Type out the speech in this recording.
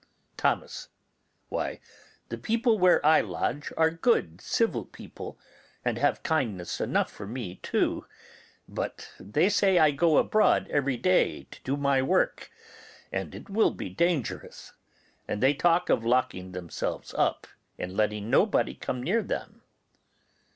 Thomas. Why, the people where I lodge are good, civil people, and have kindness enough for me too; but they say I go abroad every day to my work, and it will be dangerous; and they talk of locking themselves up and letting nobody come near them.